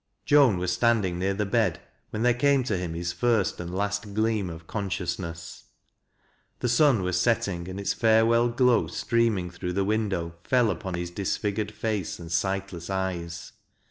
Joan was standing near the bed when there came to hiin laiB first and last gleam of cousciousuess. The sun was aeltiug and its farewell glow streaming through the windo\» fell upon his disfigured face and sightless eyes.